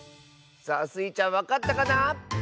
さあスイちゃんわかったかな？